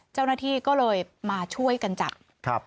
เจ้าหน้าที่ก็เลยมาช่วยกันจับ